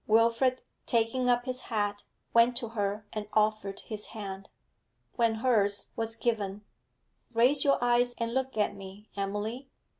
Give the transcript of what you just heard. Wilfrid, taking up his hat, went to her and offered his hand. When hers was given: 'Raise your eyes and look at me, Emily.'